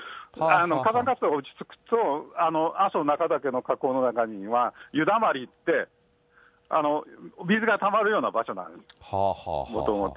火山活動が落ち着くと、阿蘇中岳の火口の中には、湯だまりといって、水がたまるような場所なんです、もともと。